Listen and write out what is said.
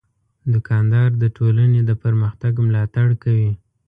دوکاندار د ټولنې د پرمختګ ملاتړ کوي.